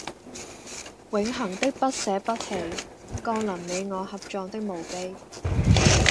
永恆的不捨不棄降臨你我合葬的墓碑